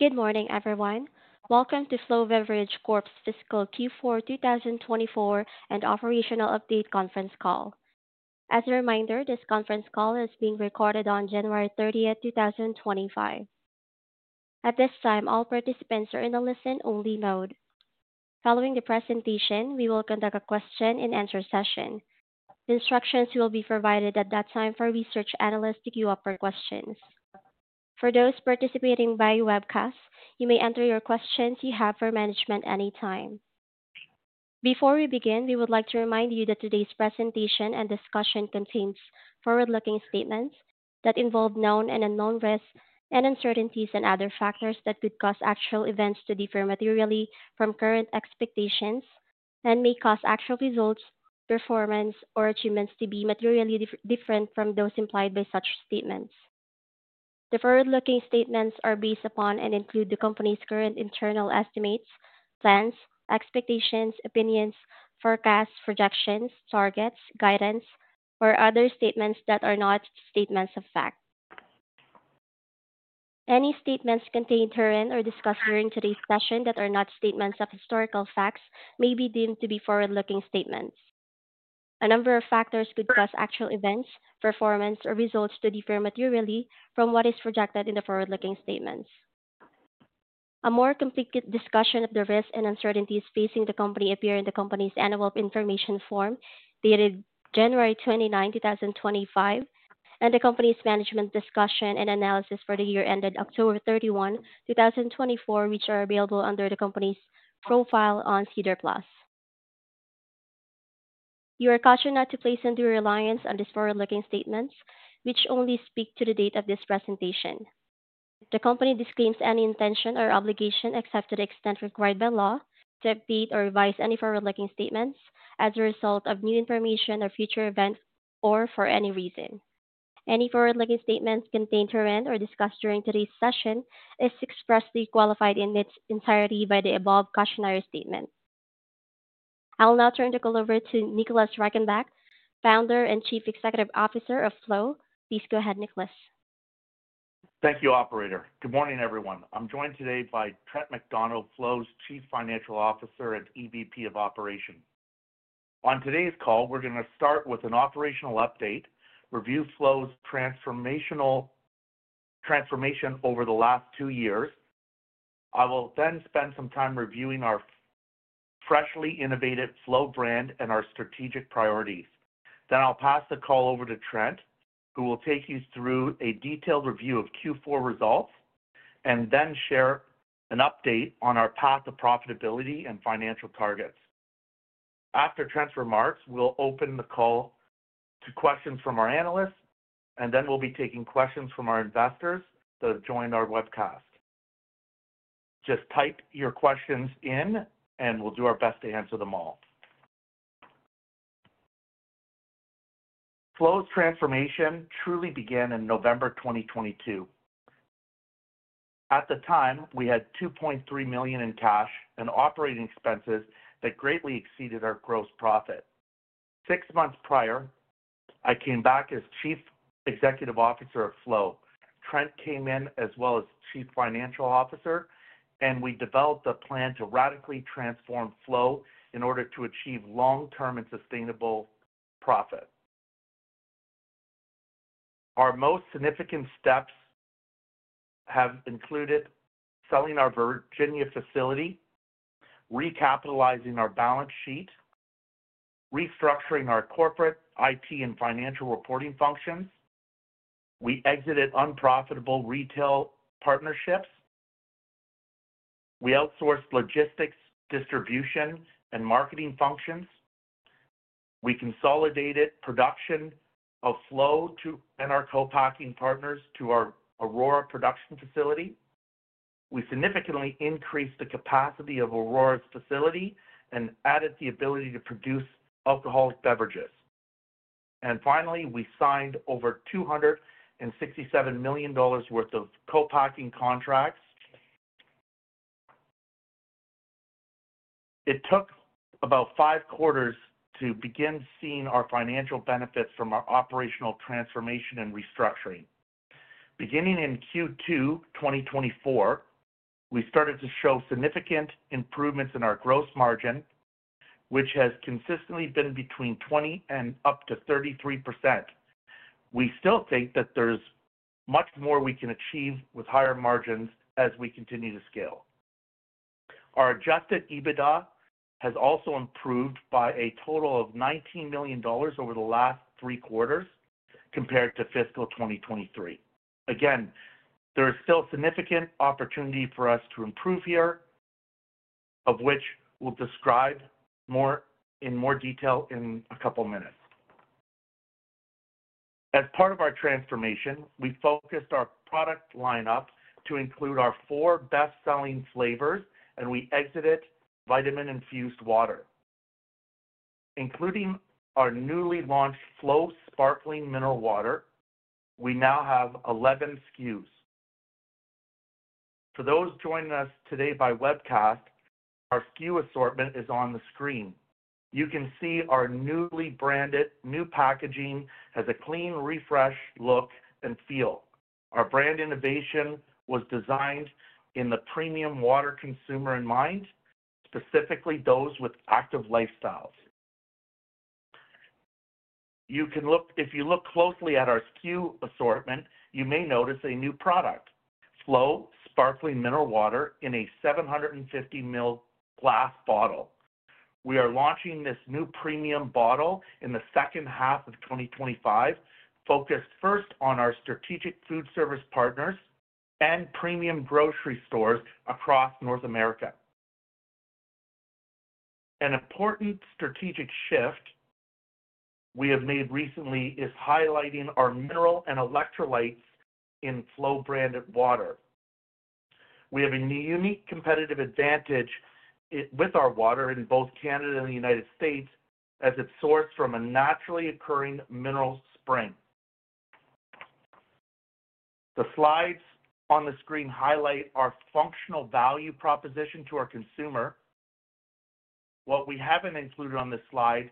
Good morning, everyone. Welcome to Flow Beverage Corp's Fiscal Q4 2024 and Operational Update conference call. As a reminder, this conference call is being recorded on January 30, 2025. At this time, all participants are in a listen-only mode. Following the presentation, we will conduct a question-and-answer session. Instructions will be provided at that time for research analysts to queue up for questions. For those participating by webcast, you may enter your questions you have for management at any time. Before we begin, we would like to remind you that today's presentation and discussion contains forward-looking statements that involve known and unknown risks and uncertainties and other factors that could cause actual events to differ materially from current expectations and may cause actual results, performance, or achievements to be materially different from those implied by such statements. The forward-looking statements are based upon and include the company's current internal estimates, plans, expectations, opinions, forecasts, projections, targets, guidance, or other statements that are not statements of fact. Any statements contained during or discussed during today's session that are not statements of historical facts may be deemed to be forward-looking statements. A number of factors could cause actual events, performance, or results to differ materially from what is projected in the forward-looking statements. A more complete discussion of the risks and uncertainties facing the company appears in the company's Annual Information Form dated January 29, 2025, and the company's Management's Discussion and Analysis for the year ended October 31, 2024, which are available under the company's profile on SEDAR+. You are cautioned not to place any reliance on these forward-looking statements, which only speak to the date of this presentation. The company disclaims any intention or obligation except to the extent required by law to update or revise any forward-looking statements as a result of new information or future events or for any reason. Any forward-looking statements contained during or discussed during today's session are expressly qualified in its entirety by the above cautionary statement. I will now turn the call over to Nicholas Reichenbach, Founder and Chief Executive Officer of Flow. Please go ahead, Nicholas. Thank you, Operator. Good morning, everyone. I'm joined today by Trent MacDonald, Flow's Chief Financial Officer and EVP of Operations. On today's call, we're going to start with an operational update. Review Flow's transformation over the last two years. I will then spend some time reviewing our freshly innovated Flow brand and our strategic priorities. Then I'll pass the call over to Trent, who will take you through a detailed review of Q4 results and then share an update on our path to profitability and financial targets. After Trent's remarks, we'll open the call to questions from our analysts, and then we'll be taking questions from our investors that have joined our webcast. Just type your questions in, and we'll do our best to answer them all. Flow's transformation truly began in November 2022. At the time, we had 2.3 million in cash and operating expenses that greatly exceeded our gross profit. Six months prior, I came back as Chief Executive Officer of Flow. Trent came in as well as Chief Financial Officer, and we developed a plan to radically transform Flow in order to achieve long-term and sustainable profit. Our most significant steps have included selling our Virginia facility, recapitalizing our balance sheet, and restructuring our corporate IT and financial reporting functions. We exited unprofitable retail partnerships. We outsourced logistics, distribution, and marketing functions. We consolidated production of Flow and our co-packing partners to our Aurora production facility. We significantly increased the capacity of Aurora's facility and added the ability to produce alcoholic beverages. And finally, we signed over 267 million dollars worth of co-packing contracts. It took about five quarters to begin seeing our financial benefits from our operational transformation and restructuring. Beginning in Q2 2024, we started to show significant improvements in our gross margin, which has consistently been between 20% and up to 33%. We still think that there's much more we can achieve with higher margins as we continue to scale. Our Adjusted EBITDA has also improved by a total of 19 million dollars over the last three quarters compared to fiscal 2023. Again, there is still significant opportunity for us to improve here, of which we'll describe in more detail in a couple of minutes. As part of our transformation, we focused our product lineup to include our four best-selling flavors, and we exited vitamin-infused water. Including our newly launched Flow Sparkling Mineral Water, we now have 11 SKUs. For those joining us today by webcast, our SKU assortment is on the screen. You can see our newly branded new packaging has a clean, refreshed look and feel. Our brand innovation was designed in the premium water consumer in mind, specifically those with active lifestyles. If you look closely at our SKU assortment, you may notice a new product, Flow Sparkling Mineral Water, in a 750 ml glass bottle. We are launching this new premium bottle in the second half of 2025, focused first on our strategic food service partners and premium grocery stores across North America. An important strategic shift we have made recently is highlighting our mineral and electrolytes in Flow-branded water. We have a unique competitive advantage with our water in both Canada and the United States as it's sourced from a naturally occurring mineral spring. The slides on the screen highlight our functional value proposition to our consumer. What we haven't included on this slide,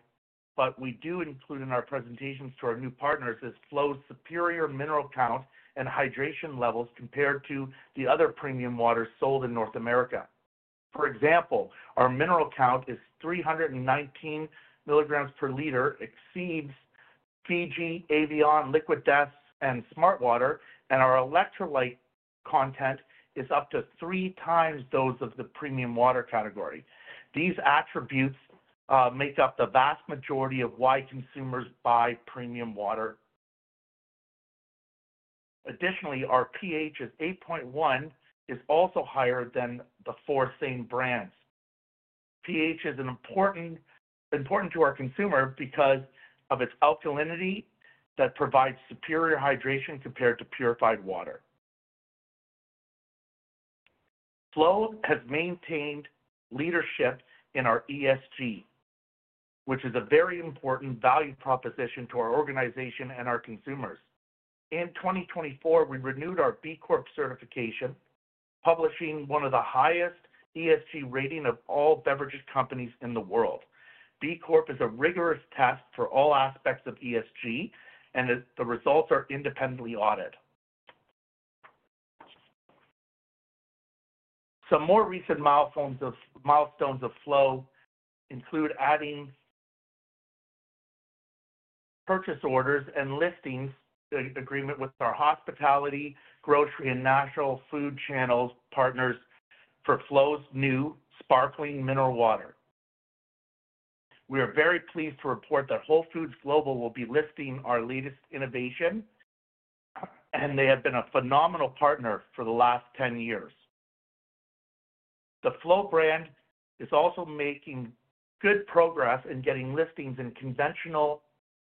but we do include in our presentations to our new partners, is Flow's superior mineral count and hydration levels compared to the other premium waters sold in North America. For example, our mineral count is 319 milligrams per liter, exceeds Fiji, Evian, Liquid Death, and Smartwater, and our electrolyte content is up to three times those of the premium water category. These attributes make up the vast majority of why consumers buy premium water. Additionally, our pH of 8.1 is also higher than the four same brands. pH is important to our consumer because of its alkalinity that provides superior hydration compared to purified water. Flow has maintained leadership in our ESG, which is a very important value proposition to our organization and our consumers. In 2024, we renewed our B Corp certification, publishing one of the highest ESG ratings of all beverage companies in the world. B Corp is a rigorous test for all aspects of ESG, and the results are independently audited. Some more recent milestones of Flow include adding purchase orders and listings, an agreement with our hospitality, grocery, and national food channels partners for Flow's new sparkling mineral water. We are very pleased to report that Whole Foods Global will be listing our latest innovation, and they have been a phenomenal partner for the last 10 years. The Flow brand is also making good progress in getting listings in conventional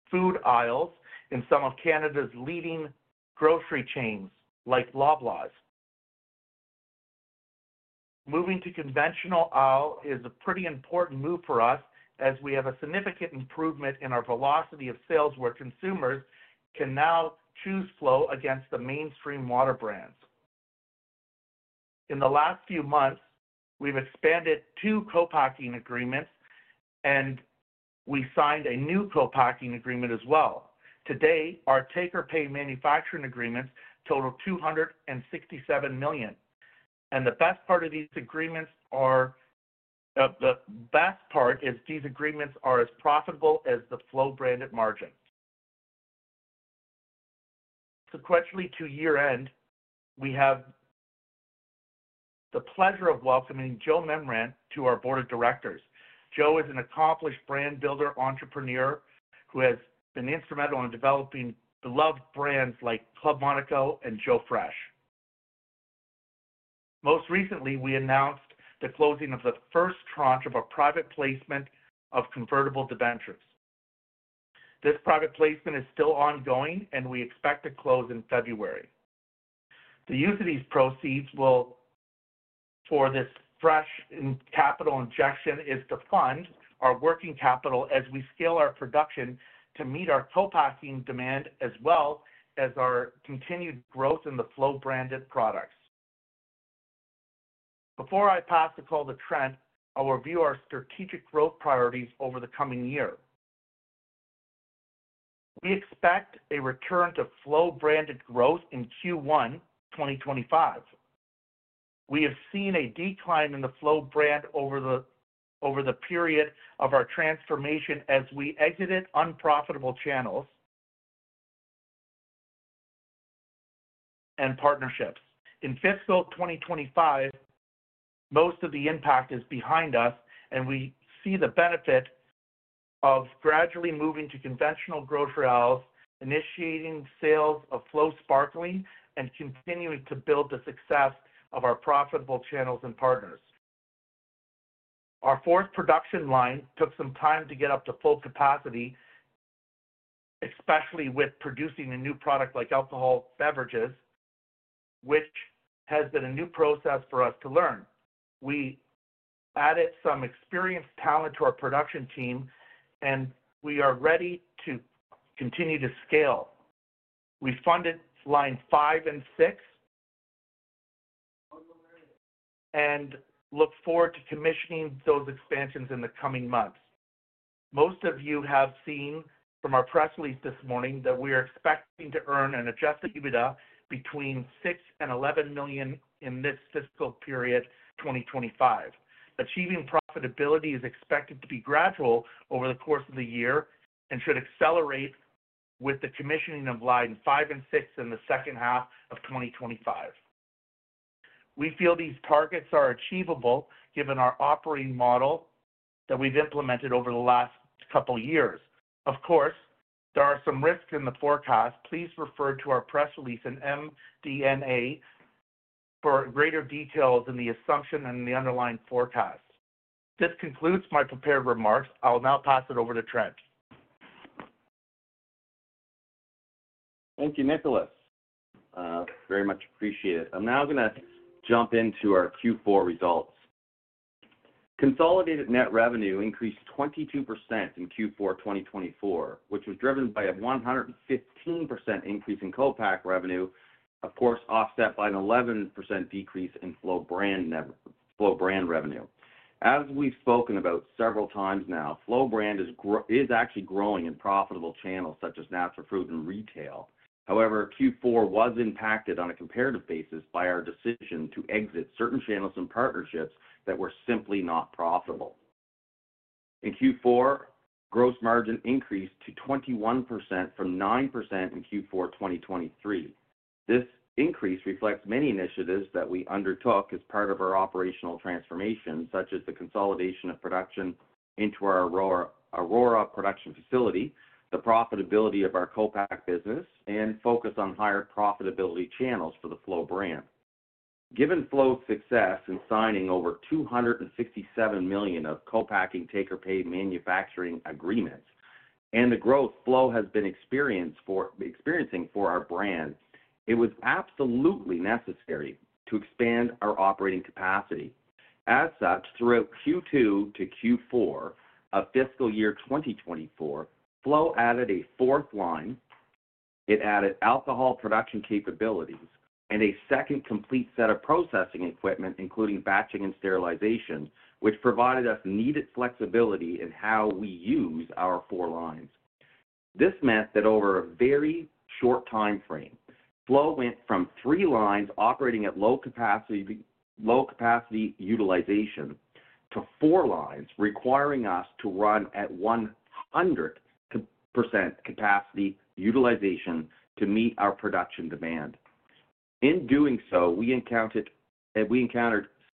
food aisles in some of Canada's leading grocery chains like Loblaws. Moving to conventional aisle is a pretty important move for us as we have a significant improvement in our velocity of sales where consumers can now choose Flow against the mainstream water brands. In the last few months, we've expanded two co-packing agreements, and we signed a new co-packing agreement as well. Today, our take-or-pay manufacturing agreements total 267 million. And the best part of these agreements is these agreements are as profitable as the Flow-branded margin. Subsequent to year-end, we have the pleasure of welcoming Joe Mimran to our board of directors. Joe is an accomplished brand builder, entrepreneur who has been instrumental in developing beloved brands like Club Monaco and Joe Fresh. Most recently, we announced the closing of the first tranche of a private placement of convertible debentures. This private placement is still ongoing, and we expect to close in February. The use of these proceeds for this fresh capital injection is to fund our working capital as we scale our production to meet our co-packing demand as well as our continued growth in the Flow-branded products. Before I pass the call to Trent, I'll review our strategic growth priorities over the coming year. We expect a return to Flow-branded growth in Q1 2025. We have seen a decline in the Flow brand over the period of our transformation as we exited unprofitable channels and partnerships. In fiscal 2025, most of the impact is behind us, and we see the benefit of gradually moving to conventional grocery aisles, initiating sales of Flow Sparkling, and continuing to build the success of our profitable channels and partners. Our fourth production line took some time to get up to full capacity, especially with producing a new product like alcoholic beverages, which has been a new process for us to learn. We added some experienced talent to our production team, and we are ready to continue to scale. We funded line five and six and look forward to commissioning those expansions in the coming months. Most of you have seen from our press release this morning that we are expecting to earn an Adjusted EBITDA between 6 million and 11 million in this fiscal period 2025. Achieving profitability is expected to be gradual over the course of the year and should accelerate with the commissioning of line five and six in the second half of 2025. We feel these targets are achievable given our operating model that we've implemented over the last couple of years. Of course, there are some risks in the forecast. Please refer to our press release and MD&A for greater details in the assumption and the underlying forecast. This concludes my prepared remarks. I'll now pass it over to Trent. Thank you, Nicholas. Very much appreciated. I'm now going to jump into our Q4 results. Consolidated net revenue increased 22% in Q4 2024, which was driven by a 115% increase in co-pack revenue, of course, offset by an 11% decrease in Flow brand revenue. As we've spoken about several times now, Flow brand is actually growing in profitable channels such as natural food and retail. However, Q4 was impacted on a comparative basis by our decision to exit certain channels and partnerships that were simply not profitable. In Q4, gross margin increased to 21% from 9% in Q4 2023. This increase reflects many initiatives that we undertook as part of our operational transformation, such as the consolidation of production into our Aurora production facility, the profitability of our co-pack business, and focus on higher profitability channels for the Flow brand. Given Flow's success in signing over 267 million of co-packing take-or-pay manufacturing agreements and the growth Flow has been experiencing for our brand, it was absolutely necessary to expand our operating capacity. As such, throughout Q2-Q4 of fiscal year 2024, Flow added a fourth line. It added alcohol production capabilities and a second complete set of processing equipment, including batching and sterilization, which provided us needed flexibility in how we use our four lines. This meant that over a very short time frame, Flow went from three lines operating at low capacity utilization to four lines requiring us to run at 100% capacity utilization to meet our production demand. In doing so, we encountered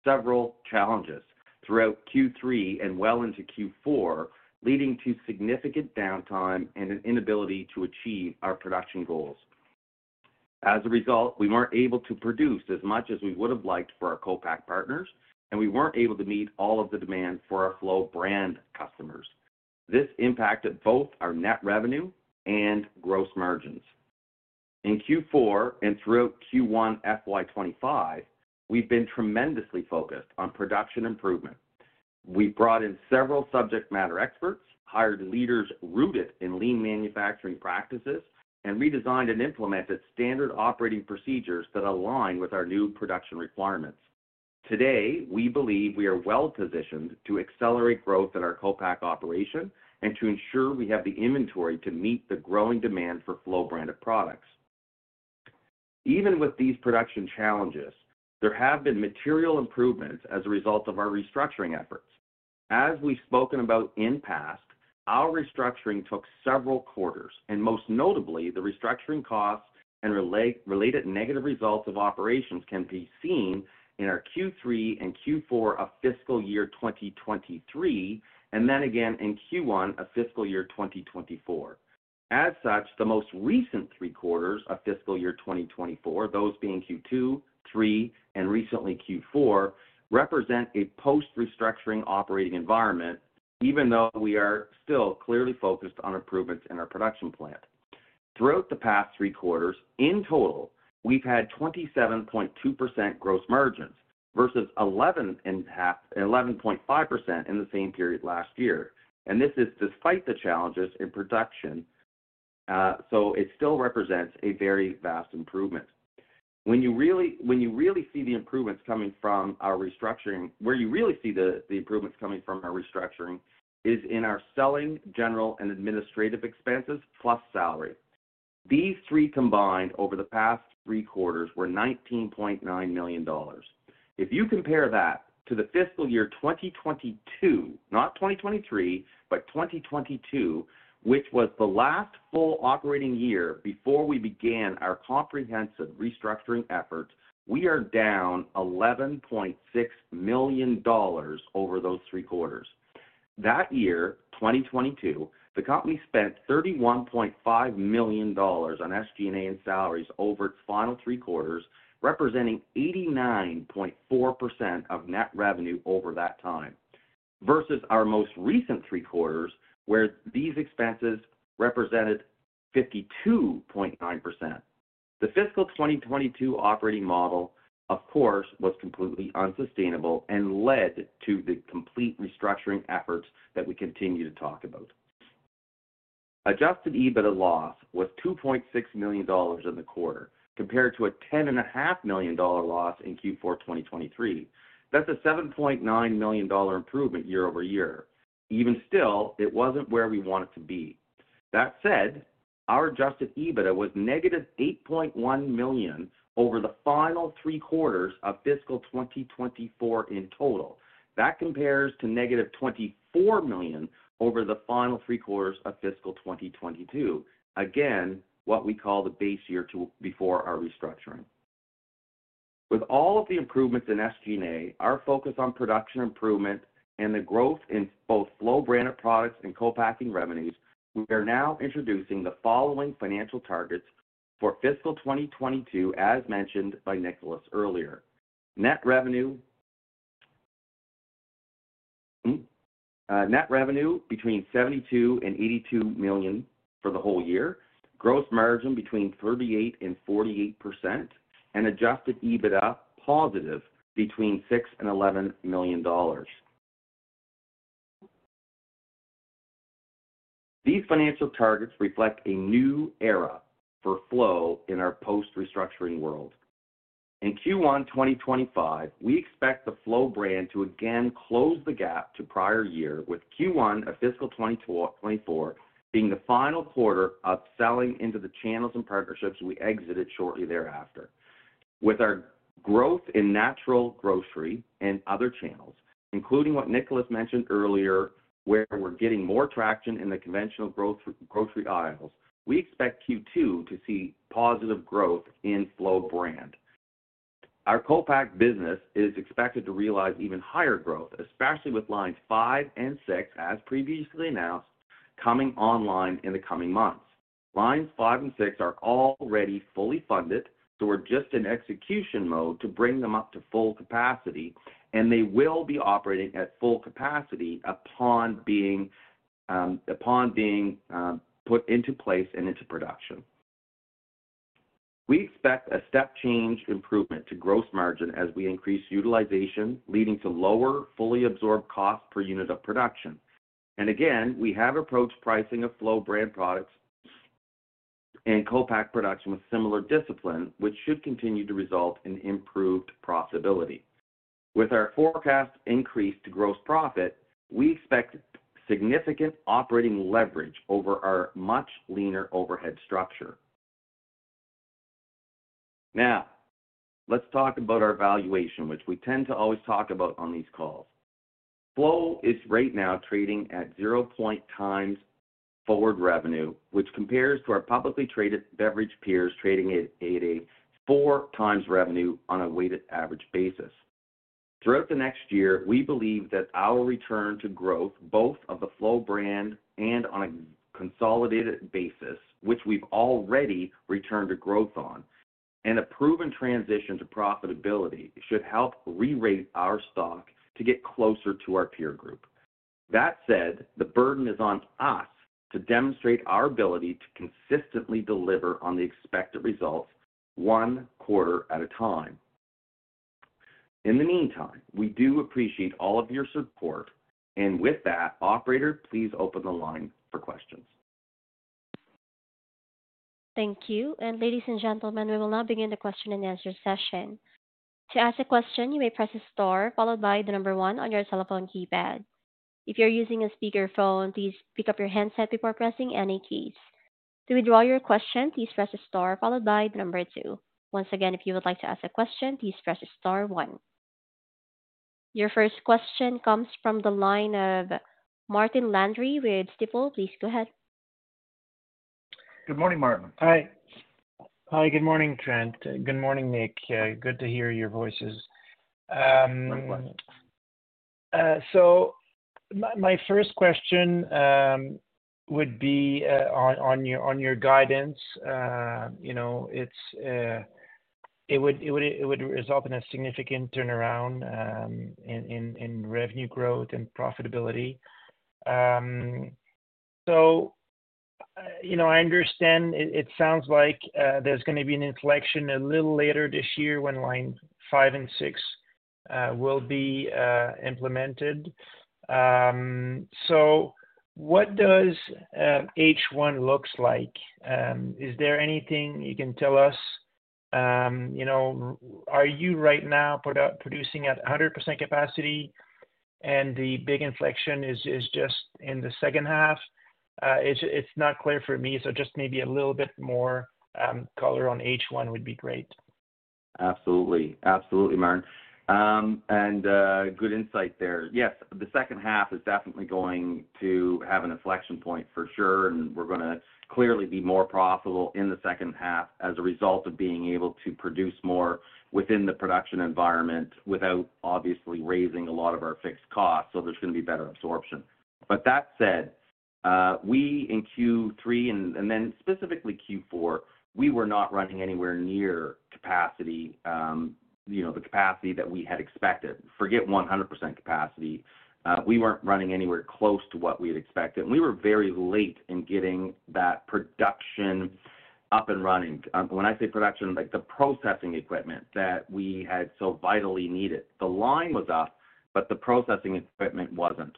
several challenges throughout Q3 and well into Q4, leading to significant downtime and an inability to achieve our production goals. As a result, we weren't able to produce as much as we would have liked for our co-pack partners, and we weren't able to meet all of the demand for our Flow brand customers. This impacted both our net revenue and gross margins. In Q4 and throughout Q1 FY2025, we've been tremendously focused on production improvement. We brought in several subject matter experts, hired leaders rooted in lean manufacturing practices, and redesigned and implemented standard operating procedures that align with our new production requirements. Today, we believe we are well positioned to accelerate growth in our co-pack operation and to ensure we have the inventory to meet the growing demand for Flow-branded products. Even with these production challenges, there have been material improvements as a result of our restructuring efforts. As we've spoken about in past, our restructuring took several quarters, and most notably, the restructuring costs and related negative results of operations can be seen in our Q3 and Q4 of fiscal year 2023, and then again in Q1 of fiscal year 2024. As such, the most recent three quarters of fiscal year 2024, those being Q2, Q3, and recently Q4, represent a post-restructuring operating environment, even though we are still clearly focused on improvements in our production plant. Throughout the past three quarters, in total, we've had 27.2% gross margins versus 11.5% in the same period last year and this is despite the challenges in production, so it still represents a very vast improvement. When you really see the improvements coming from our restructuring, where you really see the improvements coming from our restructuring is in our selling, general, and administrative expenses plus salary. These three combined over the past three quarters were 19.9 million dollars. If you compare that to the fiscal year 2022, not 2023, but 2022, which was the last full operating year before we began our comprehensive restructuring efforts, we are down 11.6 million dollars over those three quarters. That year, 2022, the company spent 31.5 million dollars on SG&A and salaries over its final three quarters, representing 89.4% of net revenue over that time versus our most recent three quarters, where these expenses represented 52.9%. The fiscal 2022 operating model, of course, was completely unsustainable and led to the complete restructuring efforts that we continue to talk about. Adjusted EBITDA loss was 2.6 million dollars in the quarter compared to a 10.5 million dollar loss in Q4 2023. That's a 7.9 million dollar improvement year over year. Even still, it wasn't where we want it to be. That said, our Adjusted EBITDA was negative 8.1 million over the final three quarters of fiscal 2024 in total. That compares to negative 24 million over the final three quarters of fiscal 2022, again, what we call the base year before our restructuring. With all of the improvements in SG&A, our focus on production improvement and the growth in both Flow branded products and co-packing revenues, we are now introducing the following financial targets for fiscal 2022, as mentioned by Nicholas earlier. Net revenue between 72 million and 82 million for the whole year, gross margin between 38% and 48%, and Adjusted EBITDA positive between 6 million and 11 million dollars. These financial targets reflect a new era for Flow in our post-restructuring world. In Q1 2025, we expect the Flow brand to again close the gap to prior year, with Q1 of fiscal 2024 being the final quarter of selling into the channels and partnerships we exited shortly thereafter. With our growth in natural grocery and other channels, including what Nicholas mentioned earlier, where we're getting more traction in the conventional grocery aisles, we expect Q2 to see positive growth in Flow brand. Our co-pack business is expected to realize even higher growth, especially with lines five and six, as previously announced, coming online in the coming months. Lines five and six are already fully funded, so we're just in execution mode to bring them up to full capacity, and they will be operating at full capacity upon being put into place and into production. We expect a step change improvement to Gross Margin as we increase utilization, leading to lower fully absorbed costs per unit of production. And again, we have approached pricing of Flow brand products and co-pack production with similar discipline, which should continue to result in improved profitability. With our forecast increased gross profit, we expect significant operating leverage over our much leaner overhead structure. Now, let's talk about our valuation, which we tend to always talk about on these calls. Flow is right now trading at 0.00 times forward revenue, which compares to our publicly traded beverage peers trading at a 4x revenue on a weighted average basis. Throughout the next year, we believe that our return to growth, both of the Flow brand and on a consolidated basis, which we've already returned to growth on, and a proven transition to profitability should help re-rate our stock to get closer to our peer group. That said, the burden is on us to demonstrate our ability to consistently deliver on the expected results one quarter at a time. In the meantime, we do appreciate all of your support. And with that, operator, please open the line for questions. Thank you, and ladies and gentlemen, we will now begin the question and answer session. To ask a question, you may press the star followed by the number one on your telephone keypad. If you're using a speakerphone, please pick up your handset before pressing any keys. To withdraw your question, please press the star followed by the number two. Once again, if you would like to ask a question, please press star one. Your first question comes from the line of Martin Landry with Stifel. Please go ahead. Good morning, Martin. Hi. Hi, good morning, Trent. Good morning, Nick. Good to hear your voices. So my first question would be on your guidance. It would result in a significant turnaround in revenue growth and profitability. So I understand it sounds like there's going to be an inflection a little later this year when line five and six will be implemented. So what does H1 look like? Is there anything you can tell us? Are you right now producing at 100% capacity? And the big inflection is just in the second half. It's not clear for me, so just maybe a little bit more color on H1 would be great. Absolutely. Absolutely, Martin, and good insight there. Yes, the second half is definitely going to have an inflection point for sure, and we're going to clearly be more profitable in the second half as a result of being able to produce more within the production environment without obviously raising a lot of our fixed costs, so there's going to be better absorption. But that said, we in Q3 and then specifically Q4, we were not running anywhere near capacity, the capacity that we had expected. Forget 100% capacity. We weren't running anywhere close to what we had expected, and we were very late in getting that production up and running. When I say production, like the processing equipment that we had so vitally needed. The line was up, but the processing equipment wasn't.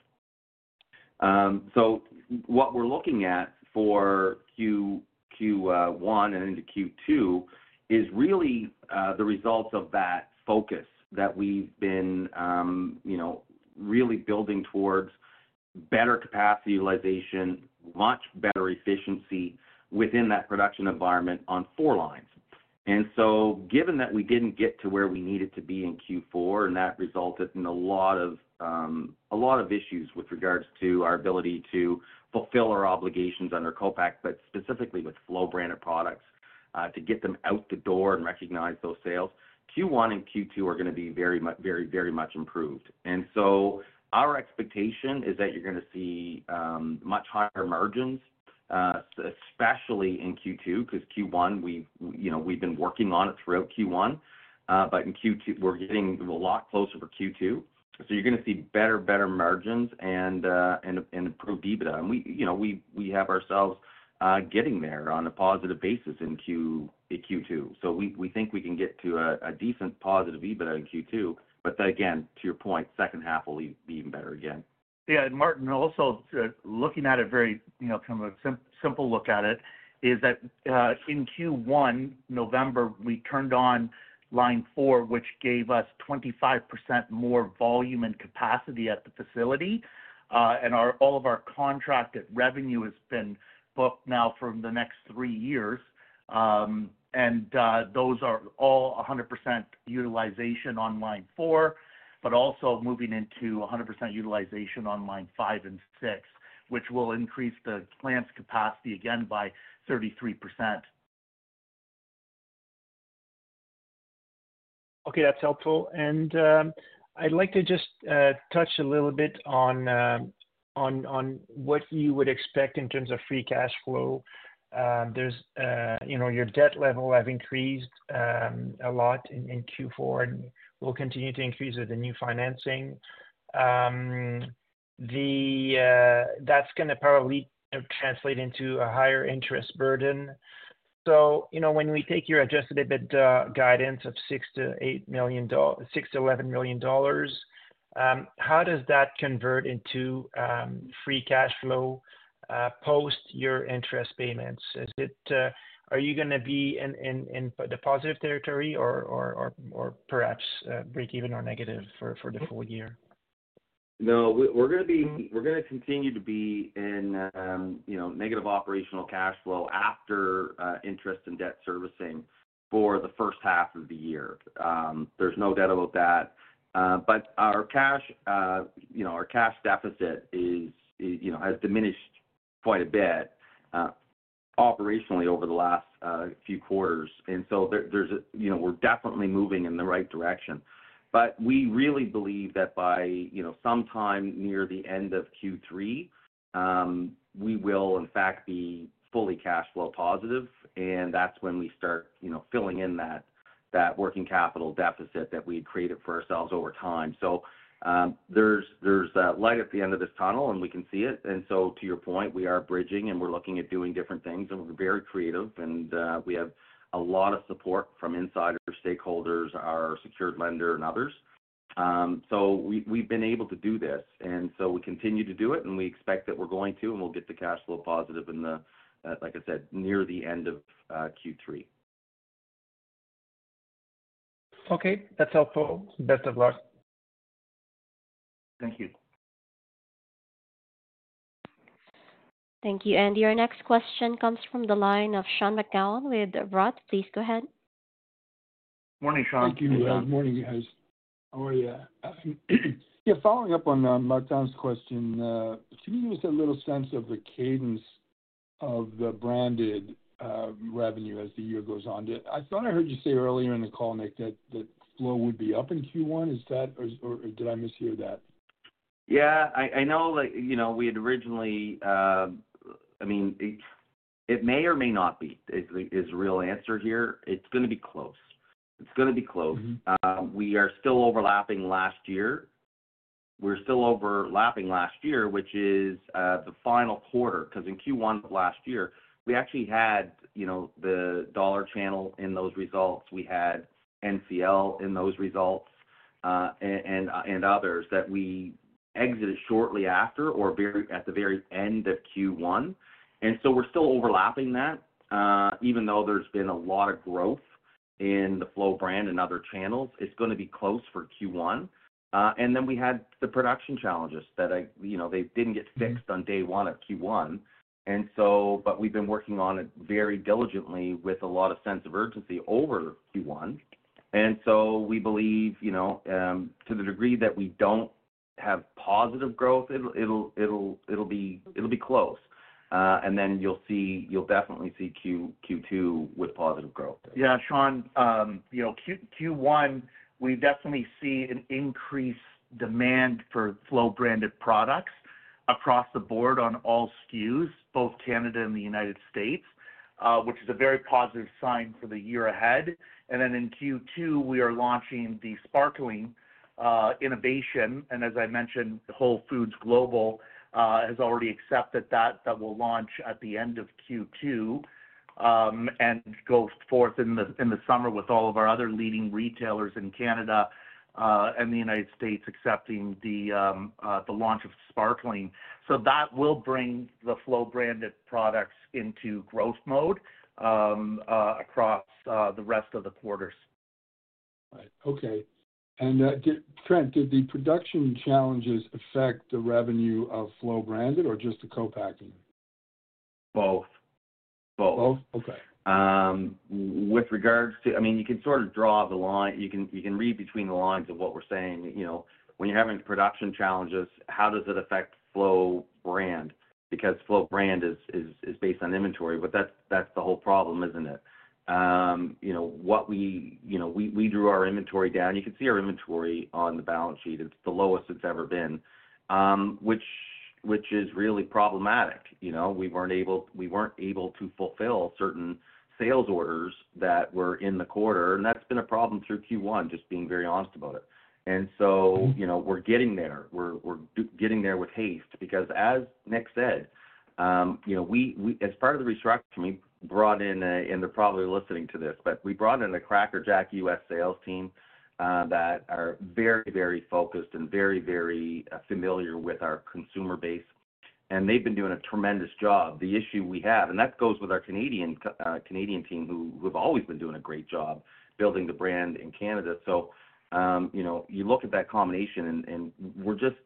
What we're looking at for Q1 and into Q2 is really the results of that focus that we've been really building towards better capacity utilization, much better efficiency within that production environment on four lines. Given that we didn't get to where we needed to be in Q4, and that resulted in a lot of issues with regards to our ability to fulfill our obligations under co-pack, but specifically with Flow-branded products to get them out the door and recognize those sales, Q1 and Q2 are going to be very, very much improved. Our expectation is that you're going to see much higher margins, especially in Q2, because Q1, we've been working on it throughout Q1, but in Q2, we're getting a lot closer for Q2. You're going to see better, better margins and improved EBITDA. We have ourselves getting there on a positive basis in Q2. We think we can get to a decent positive EBITDA in Q2, but again, to your point, second half will be even better again. Yeah. And Martin, also looking at it very kind of a simple look at it is that in Q1, November, we turned on line four, which gave us 25% more volume and capacity at the facility. And all of our contracted revenue has been booked now for the next three years. And those are all 100% utilization on line four, but also moving into 100% utilization on line five and six, which will increase the plant's capacity again by 33%. Okay. That's helpful. And I'd like to just touch a little bit on what you would expect in terms of free cash flow. Your debt level has increased a lot in Q4 and will continue to increase with the new financing. That's going to probably translate into a higher interest burden. So when we take your Adjusted EBITDA guidance of 6-11 million dollars, how does that convert into free cash flow post your interest payments? Are you going to be in the positive territory or perhaps break even or negative for the full year? No, we're going to continue to be in negative operational cash flow after interest and debt servicing for the first half of the year. There's no doubt about that. But our cash deficit has diminished quite a bit operationally over the last few quarters. And so we're definitely moving in the right direction. But we really believe that by sometime near the end of Q3, we will, in fact, be fully cash flow positive. And that's when we start filling in that working capital deficit that we had created for ourselves over time. So there's light at the end of this tunnel, and we can see it. And so to your point, we are bridging, and we're looking at doing different things. And we're very creative, and we have a lot of support from insider stakeholders, our secured lender, and others. So we've been able to do this. And so we continue to do it, and we expect that we're going to, and we'll get the cash flow positive in the, like I said, near the end of Q3. Okay. That's helpful. Best of luck. Thank you. Thank you. And your next question comes from the line of Sean McGowan with Roth. Please go ahead. Good morning, Sean. Thank you. Good morning, guys. How are you? Yeah. Following up on Martin's question, can you give us a little sense of the cadence of the branded revenue as the year goes on? I thought I heard you say earlier in the call, Nick, that Flow would be up in Q1. Did I mishear that? Yeah. I know we had originally, I mean, it may or may not be is the real answer here. It's going to be close. It's going to be close. We are still overlapping last year. We're still overlapping last year, which is the final quarter, because in Q1 of last year, we actually had the dollar channel in those results. We had NCL in those results and others that we exited shortly after or at the very end of Q1. And so we're still overlapping that. Even though there's been a lot of growth in the Flow brand and other channels, it's going to be close for Q1. And then we had the production challenges that they didn't get fixed on day one of Q1. But we've been working on it very diligently with a lot of sense of urgency over Q1. And so we believe to the degree that we don't have positive growth, it'll be close. And then you'll definitely see Q2 with positive growth. Yeah, Sean, Q1, we definitely see an increased demand for Flow-branded products across the board on all SKUs, both Canada and the United States, which is a very positive sign for the year ahead. And then in Q2, we are launching the sparkling innovation. And as I mentioned, Whole Foods Global has already accepted that that will launch at the end of Q2 and go forth in the summer with all of our other leading retailers in Canada and the United States accepting the launch of sparkling. So that will bring the Flow-branded products into growth mode across the rest of the quarters. All right. Okay. And Trent, did the production challenges affect the revenue of Flow-branded or just the co-packing? Both. Both. Both? Okay. With regards to, I mean, you can sort of draw the line. You can read between the lines of what we're saying. When you're having production challenges, how does it affect Flow brand? Because Flow brand is based on inventory, but that's the whole problem, isn't it? What we drew our inventory down. You can see our inventory on the balance sheet. It's the lowest it's ever been, which is really problematic. We weren't able to fulfill certain sales orders that were in the quarter. And that's been a problem through Q1, just being very honest about it. And so we're getting there. We're getting there with haste because, as Nick said, as part of the restructuring, we brought in, and they're probably listening to this, but we brought in a crackerjack U.S. sales team that are very, very focused and very, very familiar with our consumer base. And they've been doing a tremendous job. The issue we have, and that goes with our Canadian team who have always been doing a great job building the brand in Canada. You look at that combination, and we're just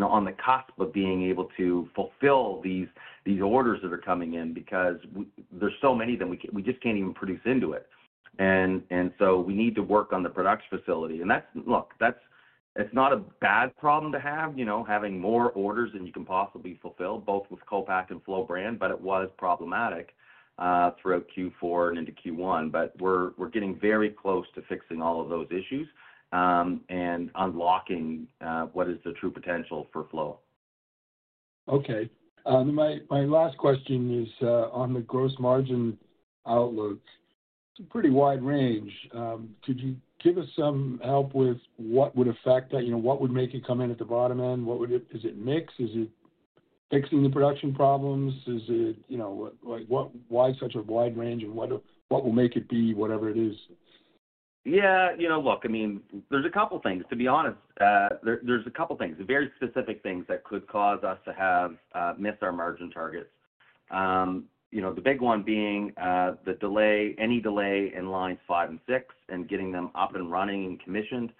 on the cusp of being able to fulfill these orders that are coming in because there's so many that we just can't even produce into it. We need to work on the production facility. Look, it's not a bad problem to have more orders than you can possibly fulfill, both with co-pack and Flow-brand, but it was problematic throughout Q4 and into Q1. We're getting very close to fixing all of those issues and unlocking what is the true potential for Flow. Okay. My last question is on the gross margin outlook. It's a pretty wide range. Could you give us some help with what would affect that? What would make it come in at the bottom end? Is it mix? Is it fixing the production problems? Why such a wide range? And what will make it be whatever it is? Yeah. Look, I mean, there's a couple of things. To be honest, there's a couple of things, very specific things that could cause us to miss our margin targets. The big one being any delay in lines five and six and getting them up and running and commissioned.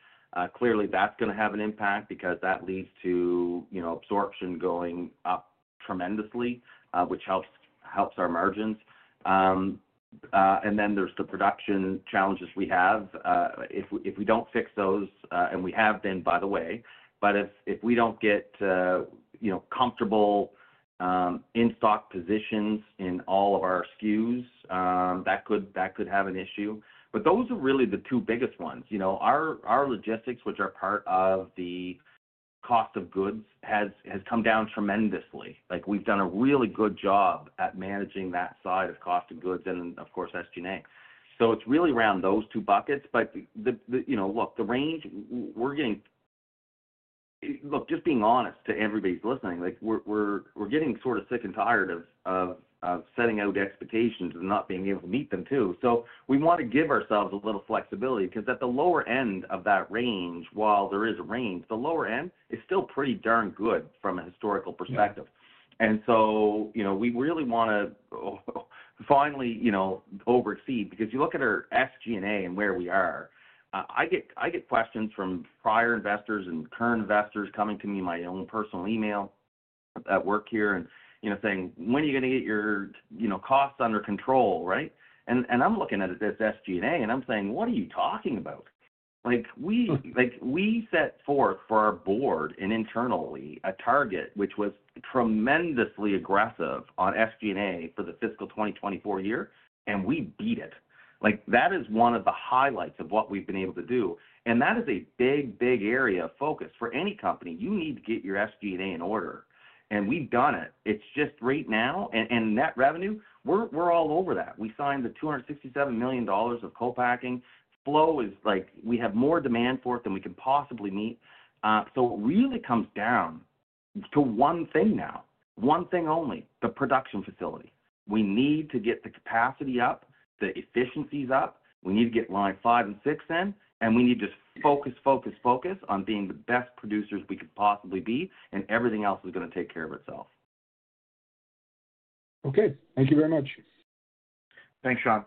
Clearly, that's going to have an impact because that leads to absorption going up tremendously, which helps our margins. And then there's the production challenges we have. If we don't fix those and we have been, by the way, but if we don't get comfortable in-stock positions in all of our SKUs, that could have an issue. But those are really the two biggest ones. Our logistics, which are part of the cost of goods, has come down tremendously. We've done a really good job at managing that side of cost of goods and, of course, SG&A. So it's really around those two buckets. But look, the range we're getting. Look, just being honest to everybody listening, we're getting sort of sick and tired of setting out expectations and not being able to meet them too. So we want to give ourselves a little flexibility because at the lower end of that range, while there is a range, the lower end is still pretty darn good from a historical perspective. And so we really want to finally oversee because you look at our SG&A and where we are. I get questions from prior investors and current investors coming to me in my own personal email at work here and saying, "When are you going to get your costs under control?" Right? I'm looking at this SG&A, and I'm saying, "What are you talking about?" We set forth for our board and internally a target, which was tremendously aggressive on SG&A for the fiscal 2024 year, and we beat it. That is one of the highlights of what we've been able to do. And that is a big, big area of focus for any company. You need to get your SG&A in order. And we've done it. It's just right now, and net revenue, we're all over that. We signed the 267 million dollars of co-packing. Flow is like we have more demand for it than we can possibly meet. So it really comes down to one thing now, one thing only, the production facility. We need to get the capacity up, the efficiencies up. We need to get line five and six in, and we need to just focus, focus, focus on being the best producers we can possibly be, and everything else is going to take care of itself. Okay. Thank you very much. Thanks, Sean.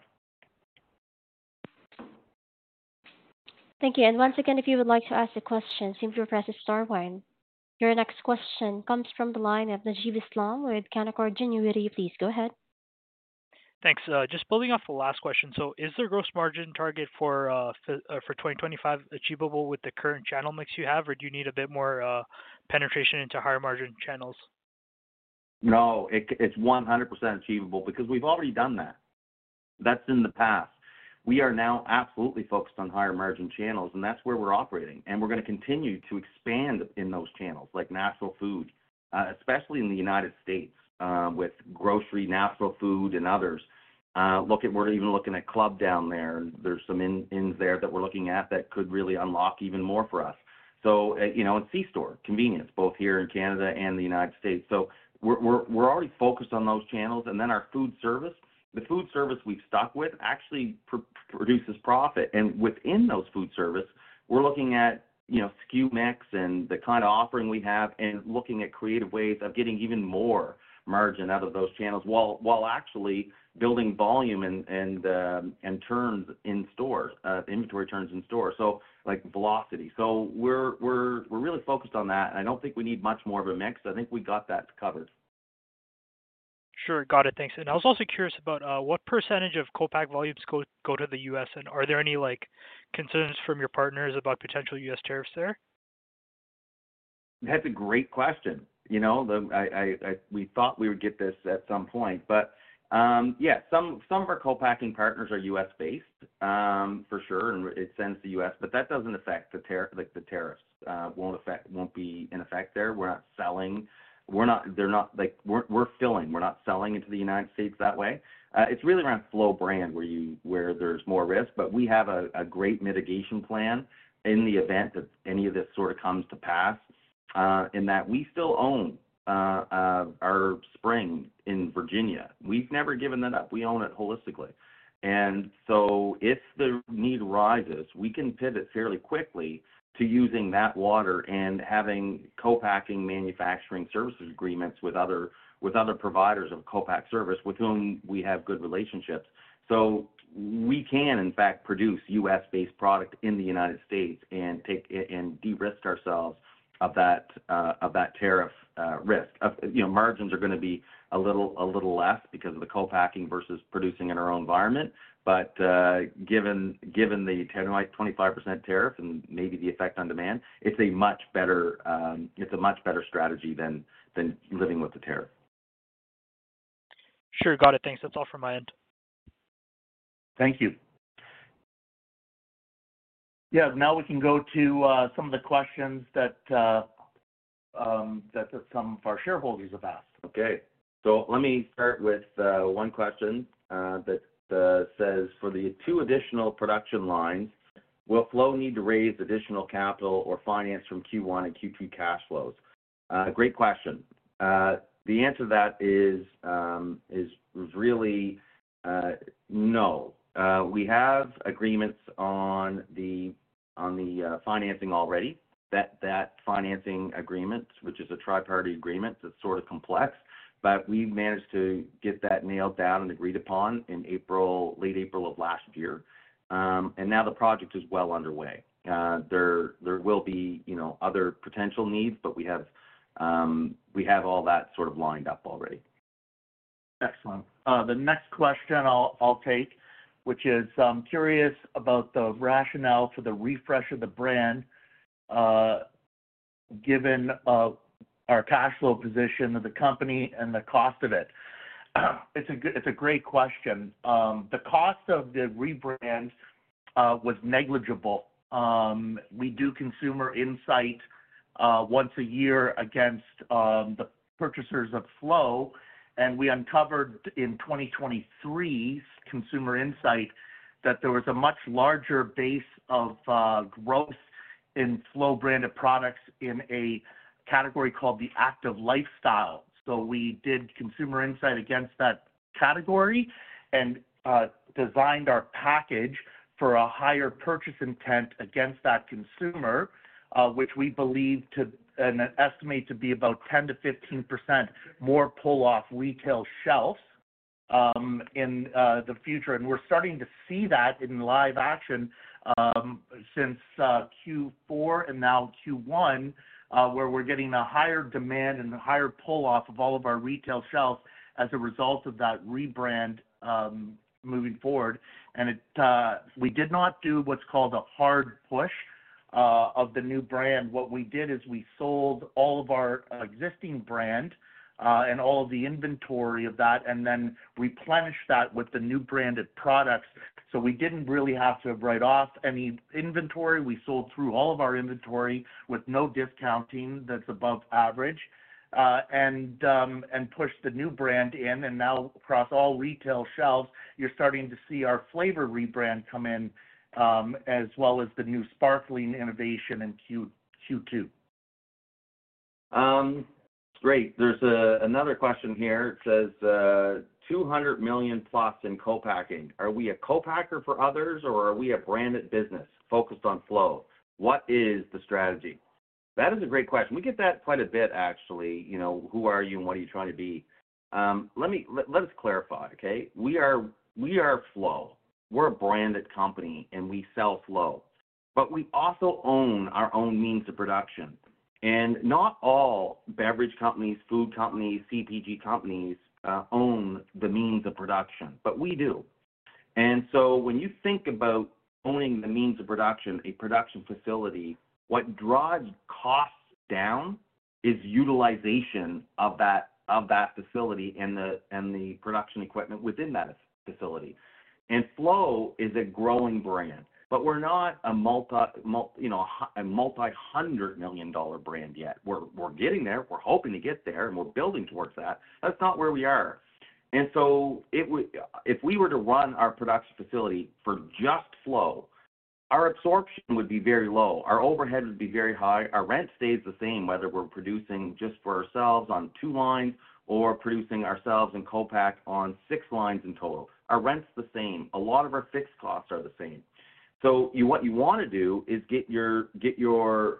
Thank you. And once again, if you would like to ask a question, simply press the star button. Your next question comes from the line of Najeeb Islam with Canaccord Genuity. Please go ahead. Thanks. Just building off the last question. So is the Gross Margin target for 2025 achievable with the current channel mix you have, or do you need a bit more penetration into higher margin channels? No, it's 100% achievable because we've already done that. That's in the past. We are now absolutely focused on higher margin channels, and that's where we're operating. And we're going to continue to expand in those channels, like natural food, especially in the United States with grocery, natural food, and others. Look, we're even looking at club down there. There's some ins there that we're looking at that could really unlock even more for us. So in C-store, convenience, both here in Canada and the United States. So we're already focused on those channels. And then our food service, the food service we've stuck with actually produces profit. And within those food service, we're looking at SKU mix and the kind of offering we have and looking at creative ways of getting even more margin out of those channels while actually building volume and inventory turns in store. So velocity. So we're really focused on that. And I don't think we need much more of a mix. I think we got that covered. Sure. Got it. Thanks. And I was also curious about what percentage of co-pack volumes go to the U.S., and are there any concerns from your partners about potential U.S. tariffs there? That's a great question. We thought we would get this at some point. But yeah, some of our co-packing partners are U.S.-based, for sure, and it sends to the U.S. But that doesn't affect the tariffs. It won't be in effect there. We're not selling. We're filling. We're not selling into the United States that way. It's really around Flow brand where there's more risk. But we have a great mitigation plan in the event that any of this sort of comes to pass in that we still own our spring in Virginia. We've never given that up. We own it wholly. And so if the need arises, we can pivot fairly quickly to using that water and having co-packing manufacturing services agreements with other providers of co-pack service with whom we have good relationships. So we can, in fact, produce U.S.-based product in the United States and de-risk ourselves of that tariff risk. Margins are going to be a little less because of the co-packing versus producing in our own environment. But given the 25% tariff and maybe the effect on demand, it's a much better strategy than living with the tariff. Sure. Got it. Thanks. That's all from my end. Thank you. Yeah. Now we can go to some of the questions that some of our shareholders have asked. Okay. So let me start with one question that says, "For the two additional production lines, will Flow need to raise additional capital or finance from Q1 and Q2 cash flows?" Great question. The answer to that is really no. We have agreements on the financing already, that financing agreement, which is a triparty agreement that's sort of complex. But we've managed to get that nailed down and agreed upon in late April of last year. And now the project is well underway. There will be other potential needs, but we have all that sort of lined up already. Excellent. The next question I'll take, which is, "I'm curious about the rationale for the refresh of the brand given our cash flow position of the company and the cost of it." It's a great question. The cost of the rebrand was negligible. We do consumer insight once a year against the purchasers of Flow, and we uncovered in 2023, consumer insight, that there was a much larger base of growth in Flow-branded products in a category called the active lifestyle, so we did consumer insight against that category and designed our package for a higher purchase intent against that consumer, which we believe to estimate to be about 10%-15% more pull-off retail shelves in the future. We're starting to see that in live action since Q4 and now Q1, where we're getting a higher demand and a higher pull-off of all of our retail shelves as a result of that rebrand moving forward. We did not do what's called a hard push of the new brand. What we did is we sold all of our existing brand and all of the inventory of that and then replenished that with the new branded products. So we didn't really have to write off any inventory. We sold through all of our inventory with no discounting that's above average and pushed the new brand in. Now across all retail shelves, you're starting to see our flavor rebrand come in as well as the new sparkling innovation in Q2. Great. There's another question here. It says, "200 million plus in co-packing. Are we a co-packer for others, or are we a branded business focused on Flow? What is the strategy?" That is a great question. We get that quite a bit, actually. Who are you, and what are you trying to be? Let us clarify. Okay? We are Flow. We're a branded company, and we sell Flow. But we also own our own means of production. And not all beverage companies, food companies, CPG companies own the means of production, but we do. And so when you think about owning the means of production, a production facility, what drives costs down is utilization of that facility and the production equipment within that facility. And Flow is a growing brand, but we're not a multi-hundred million CAD brand yet. We're getting there. We're hoping to get there, and we're building towards that. That's not where we are. And so if we were to run our production facility for just Flow, our absorption would be very low. Our overhead would be very high. Our rent stays the same, whether we're producing just for ourselves on two lines or producing ourselves and co-pack on six lines in total. Our rent's the same. A lot of our fixed costs are the same. So what you want to do is get your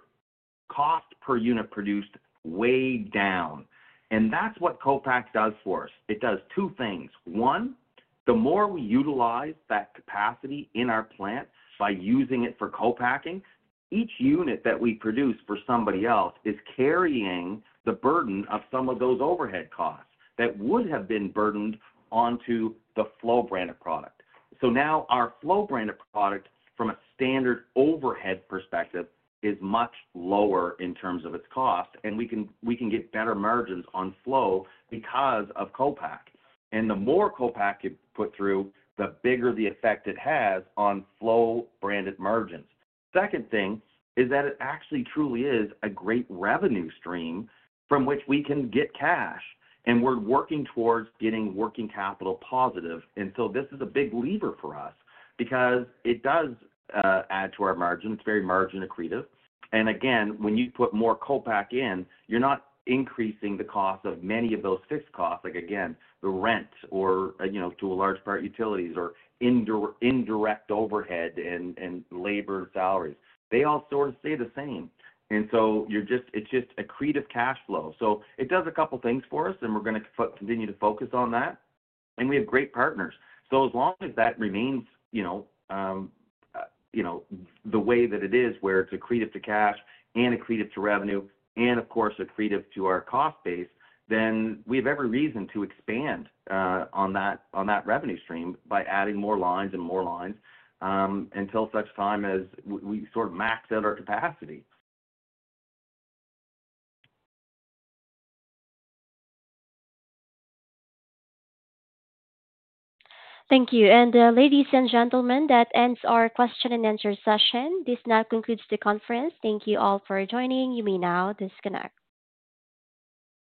cost per unit produced way down. And that's what co-pack does for us. It does two things. One, the more we utilize that capacity in our plant by using it for co-packing, each unit that we produce for somebody else is carrying the burden of some of those overhead costs that would have been burdened onto the Flow-branded product. So now our Flow-branded product, from a standard overhead perspective, is much lower in terms of its cost, and we can get better margins on Flow because of co-pack. And the more co-pack you put through, the bigger the effect it has on Flow-branded margins. Second thing is that it actually truly is a great revenue stream from which we can get cash. And we're working towards getting working capital positive. And so this is a big lever for us because it does add to our margin. It's very margin accretive. And again, when you put more co-pack in, you're not increasing the cost of many of those fixed costs, like again, the rent or, to a large part, utilities or indirect overhead and labor salaries. They all sort of stay the same. And so it's just accretive cash flow. So it does a couple of things for us, and we're going to continue to focus on that. And we have great partners. So as long as that remains the way that it is, where it's accretive to cash and accretive to revenue and, of course, accretive to our cost base, then we have every reason to expand on that revenue stream by adding more lines and more lines until such time as we sort of max out our capacity. Thank you. And ladies and gentlemen, that ends our question and answer session. This now concludes the conference. Thank you all for joining. You may now disconnect.